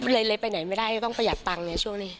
เร็ดไปไหนไม่ได้ต้องประหยัดตังค์เนี่ยช่วงนี้